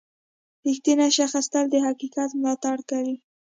• رښتینی شخص تل د حقیقت ملاتړ کوي.